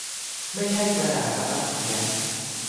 ไม่ใช่กระดาษสำหรับเขียน